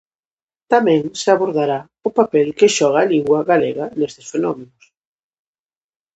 Tamén se abordará o papel que xoga a lingua galega nestes fenómenos.